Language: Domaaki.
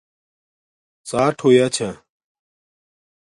ڎاٹ ہویا چھا